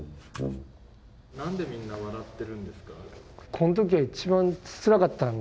何でみんな笑ってるんですか？